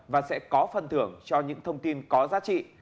và sẽ có phần thưởng cho những thông tin có giá trị